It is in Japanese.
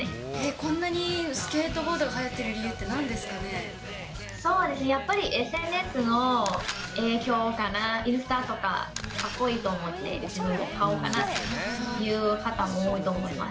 こんなにスケートボードがはそうですね、やっぱりＳＮＳの影響かな、インスタとか、かっこいいと思ってうちも買おうかなっていう方も多いと思います。